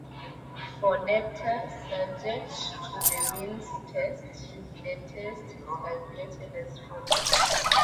For debtors subject to the means test, the test is calculated as follows.